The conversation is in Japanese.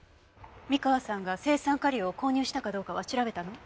三河さんが青酸カリを購入したかどうかは調べたの？